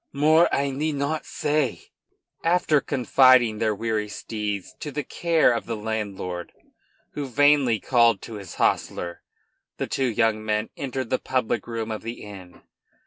More, I need not say." After confiding their weary steeds to the care of the landlord, who vainly called to his hostler, the two young men entered the public room of the inn.